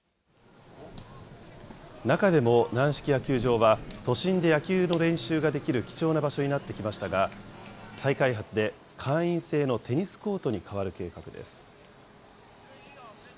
中でも軟式野球場は、都心で野球の練習ができる貴重な場所になってきましたが、再開発で会員制のテニスコートに変わる計画です。